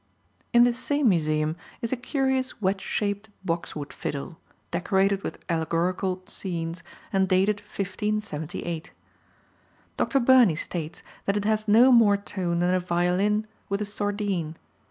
In this same museum is a curious wedge shaped boxwood fiddle, decorated with allegorical scenes, and dated 1578. Dr. Burney states that it has no more tone than a violin with a sordine.